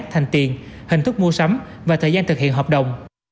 thành tiền hình thức mua sắm và thời gian thực hiện hợp đồng